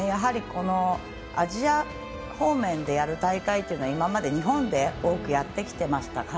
アジア方面でやる大会というのは今まで日本で多くやってきていました。